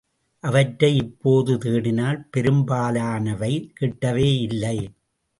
அவற்றை இப்போது தேடினால் பெரும்பாலானவை கிட்டவேயில்லை.